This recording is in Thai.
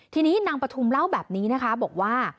ทีนี้นางปฐุมเล่าแบบนี้นะคะบอกว่า